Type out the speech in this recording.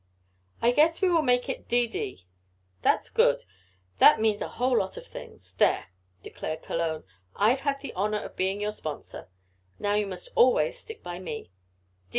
"I guess we will make it 'D. D.' That's good, and means a whole lot of things. There," declared Cologne. "I've had the honor of being your sponsor. Now you must always stick by me.